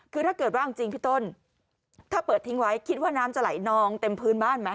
คือถ้าเกิดว่าจริงพี่ต้นถ้าเปิดทิ้งไว้คิดว่าน้ำจะไหลนองเต็มพื้นบ้านไหม